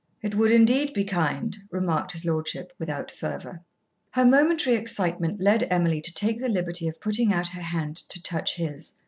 "It would indeed be kind," remarked his lordship, without fervour. Her momentary excitement led Emily to take the liberty of putting out her hand to touch his.